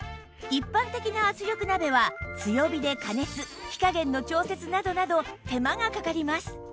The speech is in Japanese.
一般的な圧力鍋は強火で加熱火加減の調節などなど手間がかかります